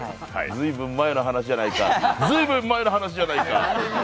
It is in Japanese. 随分前の話じゃないか、随分前の話じゃないか。